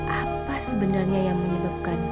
apa sebenarnya yang menyebabkan